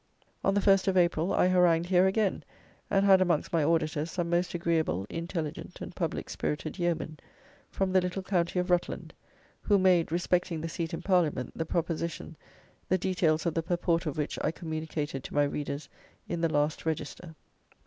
On the 1st of April, I harangued here again, and had amongst my auditors some most agreeable, intelligent, and public spirited yeomen, from the little county of Rutland, who made, respecting the seat in Parliament, the proposition, the details of the purport of which I communicated to my readers in the last Register.